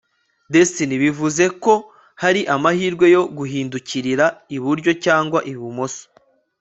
destiny bivuze ko hari amahirwe yo guhindukirira iburyo cyangwa ibumoso